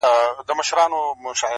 د دغې نجلۍ دغسې خندا ده په وجود کي